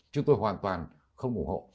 chúng tôi hoàn toàn không ủng hộ